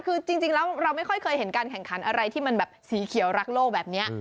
คือจริงแล้วเราไม่ค่อยเคยเห็นการแข่งขันอะไรที่มันแบบสีเขียวรักโลกแบบนี้